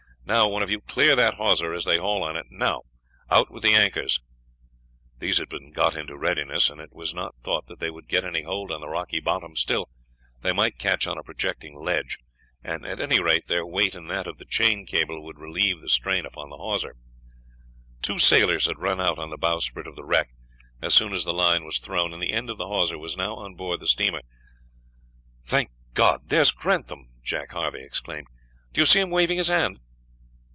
Now, one of you, clear that hawser as they haul on it. Now out with the anchors." These had been got into readiness; it was not thought that they would get any hold on the rocky bottom, still they might catch on a projecting ledge, and at any rate their weight and that of the chain cable would relieve the strain upon the hawser. Two sailors had run out on the bowsprit of the wreck as soon as the line was thrown, and the end of the hawser was now on board the steamer. "Thank God, there's Grantham!" Jack Harvey exclaimed; "do you see him waving his hand?"